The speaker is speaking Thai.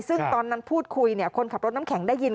ซึ่งตอนนั้นพูดคุยคนขับรถน้ำแข็งได้ยิน